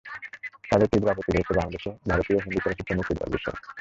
তাঁদের তীব্র আপত্তি রয়েছে বাংলাদেশে ভারতীয় হিন্দি চলচ্চিত্র মুক্তি দেওয়ার বিষয়ে।